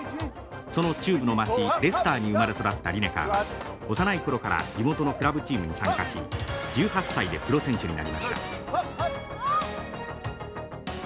その中部の町レスターに生まれ育ったリネカーは幼い頃から地元のクラブチームに参加し１８歳でプロ選手になりました。